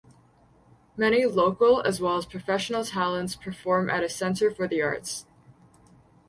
Many local as well as professional talents perform at A Center for the Arts.